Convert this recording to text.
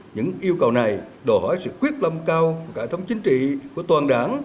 những yêu cầu này đòi hỏi sự quyết lâm cao của cải thống chính trị của toàn đảng